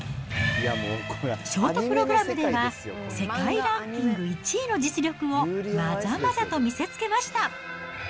ショートプログラムでは、世界ランキング１位の実力をまざまざと見せつけました。